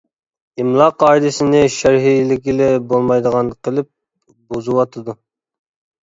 ئىملا قائىدىسىنى شەرھلىگىلى بولمايدىغان قىلىپ بۇزۇۋاتىدۇ.